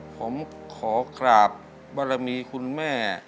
ผมขอกราบบารมีคุณแม่